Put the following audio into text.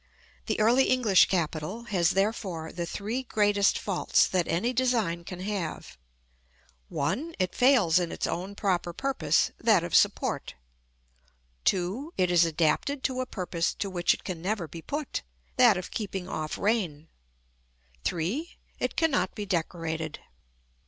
The Early English capital has, therefore, the three greatest faults that any design can have: (1) it fails in its own proper purpose, that of support; (2) it is adapted to a purpose to which it can never be put, that of keeping off rain; (3) it cannot be decorated.